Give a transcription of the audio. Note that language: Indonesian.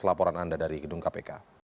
laporan anda dari gedung kpk